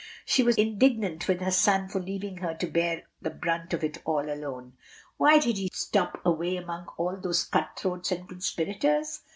She was indignant with her son for leaving her to bear the brunt of it all alone. "Why did he stop away among all those cut throats and conspirators?"